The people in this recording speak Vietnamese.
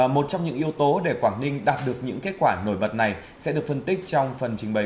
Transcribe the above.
một trong những yếu tố để quảng ninh đạt được những kết quả nổi bật này sẽ được phân tích trong phần trình bày